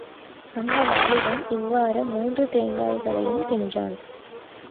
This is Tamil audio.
அந்த வாலிபன் இவ்வாறு மூன்று தேங்காய்களையும் தின்றான்.